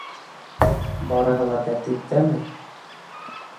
Барыһы ла тәртиптәме?